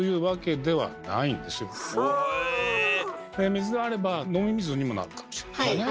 水があれば飲み水にもなるかもしれないね。